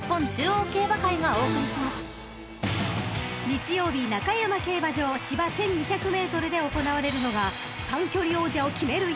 ［日曜日中山競馬場芝１，２００ｍで行われるのが短距離王者を決める